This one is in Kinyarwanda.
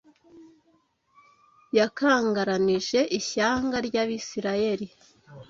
yakangaranije ishyanga ry’Abisirayeli.